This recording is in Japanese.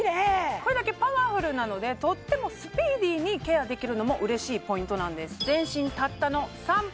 これだけパワフルなのでとってもスピーディーにケアできるのも嬉しいポイントなんですえっ